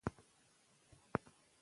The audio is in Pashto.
پي پي پي کولی شي ځان ته زیان ورسوي.